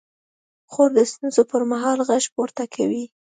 خور د ستونزو پر مهال غږ پورته کوي.